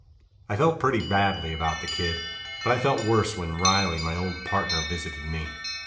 I felt pretty badly about the kid, but I felt worse when Riley, my old partner, visited me.